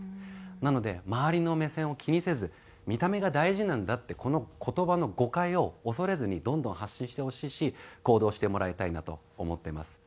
なので周りの目線を気にせず「見た目が大事なんだ」ってこの言葉の誤解を恐れずにどんどん発信してほしいし行動してもらいたいなと思っています。